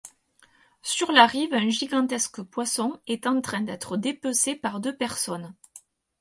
Sur la rive un gigantesque poisson est en train d'être dépecé par deux personnes.